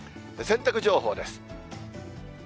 洗濯情報です。